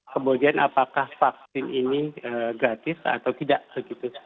kemudian apakah vaksin ini gratis atau tidak begitu